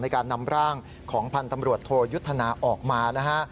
ในการนำร่างของพันธ์ตำรวจโทยุทธนาออกมานะฮะ